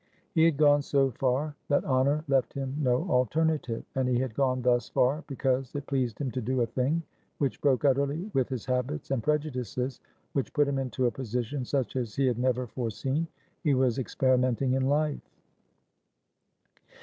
He had gone so far that honour left him no alternative. And he had gone thus far because it pleased him to do a thing which broke utterly with his habits and prejudices, which put him into a position such as he had never foreseen. He was experimenting in life.